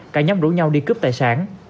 cả nhóm rủ nhau đi cướp tài sản